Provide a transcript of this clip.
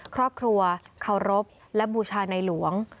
ครอบครัวเคารพและบูชาในหลวง